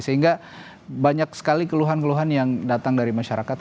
sehingga banyak sekali keluhan keluhan yang datang dari masyarakat